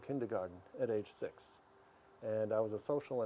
saya dalam sekitar satu tahun